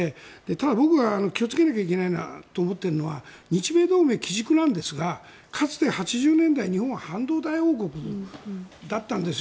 ただ、僕が気をつけなきゃいけないなと思っているのは日米同盟、機軸なんですがかつて、８０年代日本は半導体王国だったんですよ。